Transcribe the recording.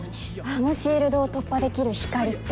あのシールドを突破できるひかりって。